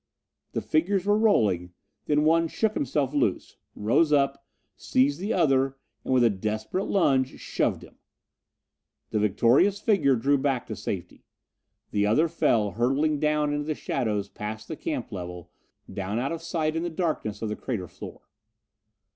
The figures were rolling: then one shook himself loose, rose up, seized the other and, with a desperate lunge, shoved him The victorious figure drew back to safety. The other fell, hurtling down into the shadows past the camp level down out of sight in the darkness of the crater floor.